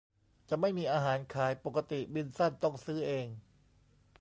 จะไม่มีอาหารขาย ปกติบินสั้นต้องซื้อเอง